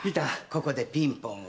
ここでピンポンを。